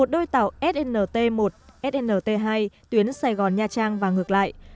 một đôi tàu snt một snt hai tuyến sài gòn nha trang và ngược lại